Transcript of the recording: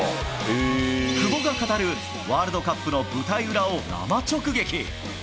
久保が語るワールドカップの舞台裏を生直撃。